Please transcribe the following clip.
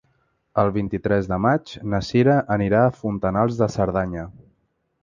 El vint-i-tres de maig na Cira anirà a Fontanals de Cerdanya.